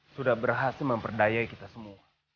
sudah berhasil memperdaya kita semua